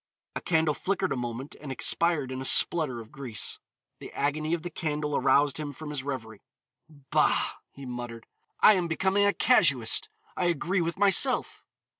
A candle flickered a moment and expired in a splutter of grease. The agony of the candle aroused him from his revery. "Bah," he muttered, "I am becoming a casuist, I argue with myself."